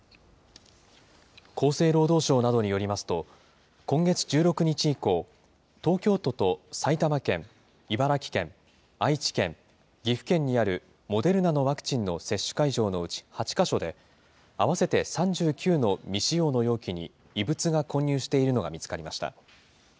厚生労働省などによりますと、今月１６日以降、東京都と埼玉県、茨城県、愛知県、岐阜県にあるモデルナのワクチンの接種会場のうち８か所で、合わせて３９の未使用の容器に、異物が混入しているのが見つかりました。